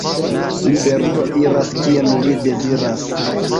Liberulo iras, kien li deziras!